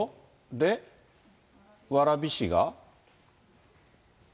で、蕨市が？